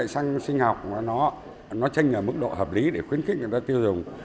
xăng sinh học nó chênh mức độ hợp lý để khuyến khích người ta tiêu dùng